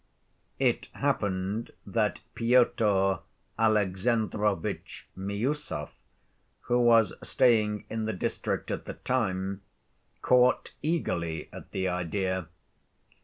It happened that Pyotr Alexandrovitch Miüsov, who was staying in the district at the time, caught eagerly at the idea.